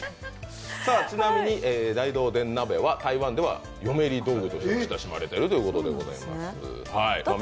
ちなみに大同電鍋は台湾では嫁入り道具として親しまれているということです。